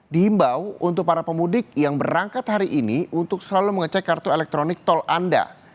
diimbau untuk para pemudik yang berangkat hari ini untuk selalu mengecek kartu elektronik tol anda